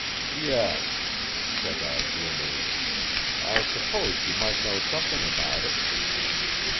"Yes," said I gloomily; "I supposed you might know something about it."